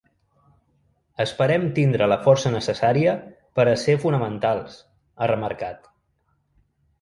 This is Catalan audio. Esperem tindre la força necessària per a ser fonamentals, ha remarcat.